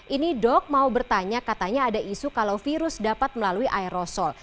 ini dok mau bertanya katanya ada isu kalau virus dapat melalui aerosol